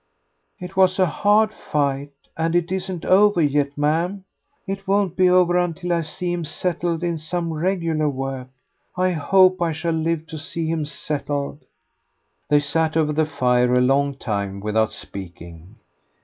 "It was a hard fight, and it isn't over yet, ma'am. It won't be over until I see him settled in some regular work. I hope I shall live to see him settled." They sat over the fire a long time without speaking.